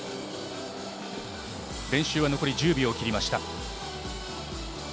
練習は残り１０秒を切りました。